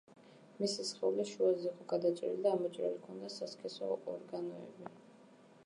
მისი სხეული შუაზე იყო გადაჭრილი და ამოჭრილი ჰქონდა სასქესო ორგანოები.